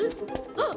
あっ！